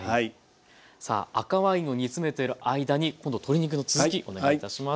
さあ赤ワインを煮詰めている間に今度鶏肉の続きお願いいたします。